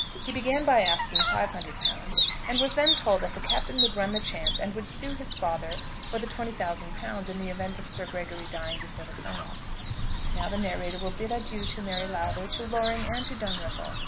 He began by asking £500, and was then told that the Captain would run the chance and would sue his father for the £20,000 in the event of Sir Gregory dying before the Colonel. Now the narrator will bid adieu to Mary Lowther, to Loring, and to Dunripple.